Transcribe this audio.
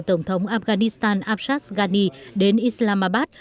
của tổng thống afghanistan abshaz ghani đến islamabad